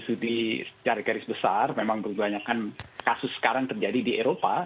jadi di secara garis besar memang berbanyakan kasus sekarang terjadi di eropa